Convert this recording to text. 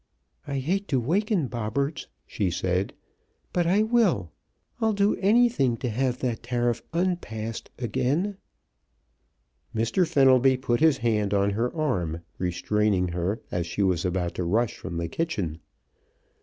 "I hate to waken Bobberts," she said, "but I will! I'd do anything to have that tariff unpassed again." Mr. Fenelby put his hand on her arm, restraining her as she was about to rush from the kitchen.